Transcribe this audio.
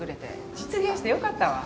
実現してよかったわ。